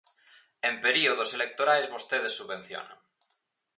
En períodos electorais vostedes subvencionan.